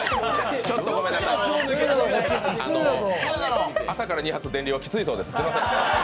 ちょっとごめんなさい、朝から２発電流はきついそうです。